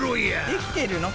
できてるの？